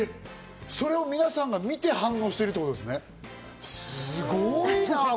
それを皆さんが見て反応してるってことですね、すごいな。